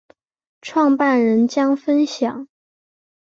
创办人将分享